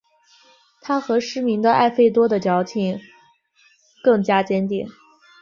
他和失明的艾费多的交情更加坚定。